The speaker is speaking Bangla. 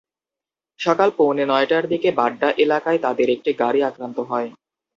সকাল পৌনে নয়টার দিকে বাড্ডা এলাকায় তাঁদের একটি গাড়ি আক্রান্ত হয়।